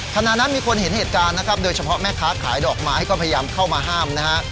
ขณะนั้นมีคนเห็นเหตุการณ์นะครับโดยเฉพาะแม่ค้าขายดอกไม้ก็พยายามเข้ามาห้ามนะฮะ